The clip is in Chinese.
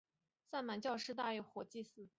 萨满教仪式大多会以火献祭。